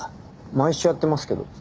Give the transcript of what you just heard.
毎週やってますけど。